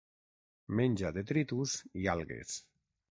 Menja detritus i algues.